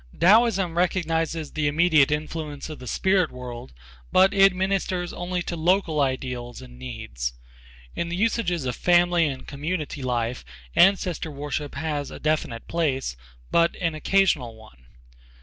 Taoism recognizes the immediate influence of the spirit world, but it ministers only to local ideals and needs. In the usages of family and community life, ancestor worship has a definite place, but an occasional one.